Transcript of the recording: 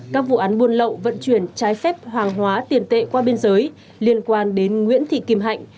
các vụ án buôn lậu vận chuyển trái phép hàng hóa tiền tệ qua biên giới liên quan đến nguyễn thị kim hạnh